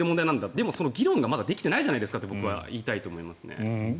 でも議論がまだできてないじゃないですかと僕は言いたいと思いますね。